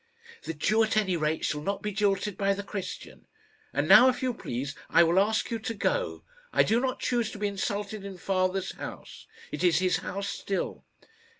"The Jew, at any rate, shall not be jilted by the Christian. And now, if you please, I will ask you to go. I do not choose to be insulted in father's house. It is his house still."